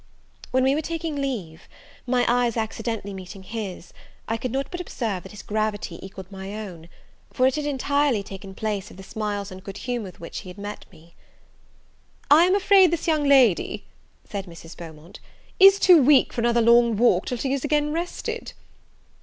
When we were taking leave, my eyes accidentally meeting his, I could not but observe that his gravity equalled my own; for it had entirely taken place of the smiles and good humour with which he had met me. "I am afraid this young lady," said Mrs. Beaumont, "is too weak for another long walk till she is again rested."